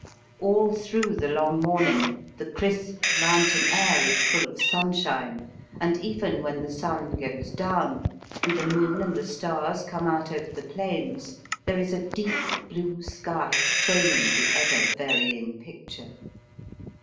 All through the long morning the crisp mountain air is full of sunshine, and even when the sun goes down and the moon and the stars come out over the plains there is a deep blue sky framing the ever varying picture.